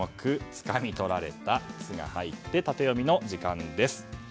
つかみ取られた「ツ」が入ってタテヨミの時間です。